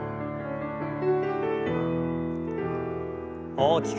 大きく。